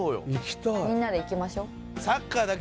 みんなで行きましょ。